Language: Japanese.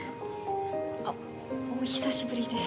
あっお久しぶりです。